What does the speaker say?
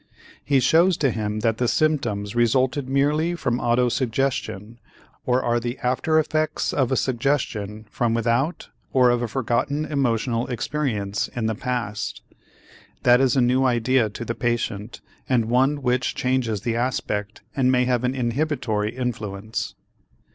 He shows to him that the symptoms resulted merely from autosuggestion or are the after effects of a suggestion from without or of a forgotten emotional experience of the past. That is a new idea to the patient and one which changes the aspect and may have an inhibitory influence.